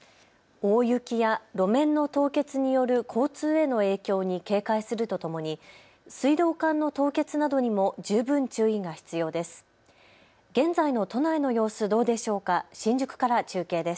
大雪や路面の凍結による交通への影響に警戒するとともに水道管の凍結などにも十分注意が必要です。